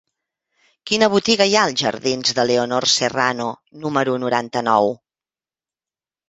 Quina botiga hi ha als jardins de Leonor Serrano número noranta-nou?